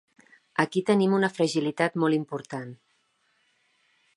Aquí tenim una fragilitat molt important.